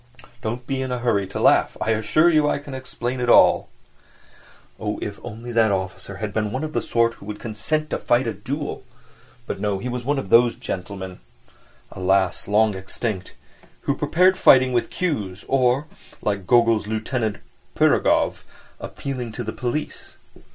Don't be in a hurry to laugh—I assure you I can explain it all. Oh, if only that officer had been one of the sort who would consent to fight a duel! But no, he was one of those gentlemen (alas, long extinct!) who preferred fighting with cues or, like Gogol's Lieutenant Pirogov, appealing to the police.